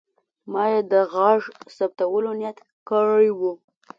ما یې د غږ ثبتولو نیت کړی و.